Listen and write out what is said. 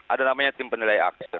ada namanya tim penilai aktif